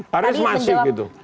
haris masih gitu